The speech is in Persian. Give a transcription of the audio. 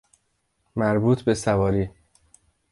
مربوط بسواری